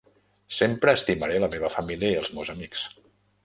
Sempre estimaré la meva família i els meus amics.